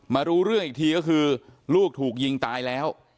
รู้เรื่องอีกทีก็คือลูกถูกยิงตายแล้ว